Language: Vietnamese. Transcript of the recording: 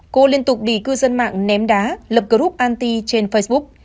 cô liên tục bị cư dân mạng ném đá lập group anty trên facebook